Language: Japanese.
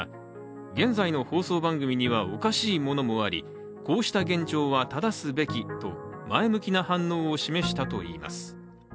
現在の放送番組にはおかしいものもあり、こうした現状は正すべきと前向きな反応を示したといいます。